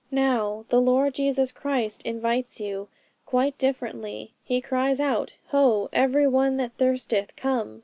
'Now, the Lord Jesus Christ invites you quite differently. He cries out, "Ho! every one that thirsteth, Come.